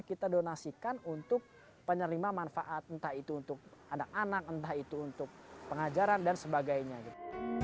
kita donasikan untuk penerima manfaat entah itu untuk anak anak entah itu untuk pengajaran dan sebagainya gitu